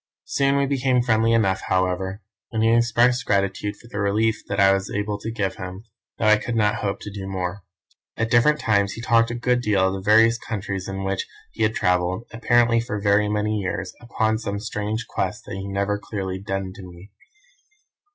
Soon we became friendly enough, however, and he expressed gratitude for the relief that I was able to give him, though I could not hope to do more. At different times he talked a good deal of the various countries in which he had travelled, apparently for very many years, upon some strange quest that he never clearly defined to me.